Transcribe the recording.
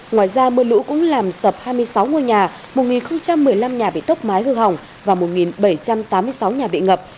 ngoài ra mưa lũ cũng làm sập hai mươi sáu ngôi nhà một một mươi năm nhà bị tốc mái hư hỏng và một bảy trăm tám mươi sáu nhà bị ngập